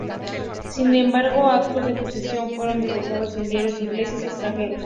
Sin embargo, estos actos de posesión fueron divulgados en diarios ingleses y extranjeros.